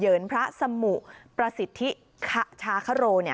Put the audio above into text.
เยินพระสมุประสิทธิฆาศโฆเนี่ย